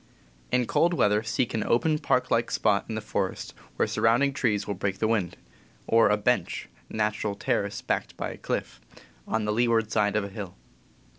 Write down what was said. In cold weather seek an open, park like spot in the forest, where surrounding trees will break the wind; or a "bench" (natural terrace backed by a cliff) on the leeward side of a hill.